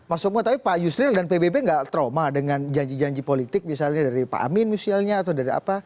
mas sukmo tapi pak yusril dan pbb nggak trauma dengan janji janji politik misalnya dari pak amin musialnya atau dari apa